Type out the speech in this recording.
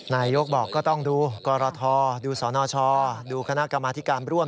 นายกบอกก็ต้องดูกรทดูสนชดูคณะกรรมธิการร่วม